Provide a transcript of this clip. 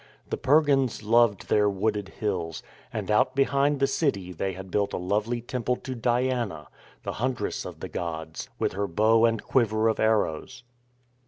The Pergans loved their wooded hills, and out behind the city they had built a lovely temple to Diana, the huntress of the gods, with her bow and quiver of arrows.